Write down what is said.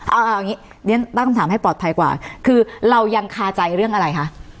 เอาอย่างนี้เรียนตั้งคำถามให้ปลอดภัยกว่าคือเรายังคาใจเรื่องอะไรคะ